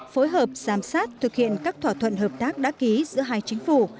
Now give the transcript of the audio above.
phối hợp giám sát thực hiện các thỏa thuận hợp tác đã ký giữa hai chính phủ